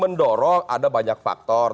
mendorong ada banyak faktor